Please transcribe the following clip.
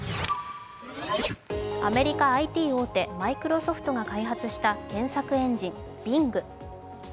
アメリカＩＴ大手、マイクロソフトが開発した検索エンジン・Ｂｉｎｇ。